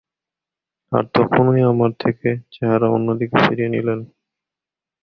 আর তখনই আমার থেকে চেহারা অন্য দিকে ফিরিয়ে নিলেন।